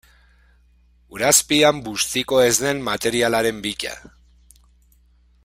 Ur azpian bustiko ez den materialaren bila.